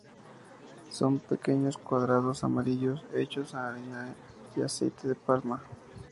Son pequeños cuadrados amarillos hechos de harina y aceite de palma.